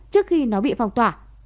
trước khi nó bị phong tỏa